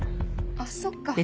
あっそっか。